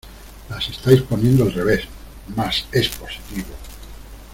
¡ Las estáis poniendo al revés! Más es positivo.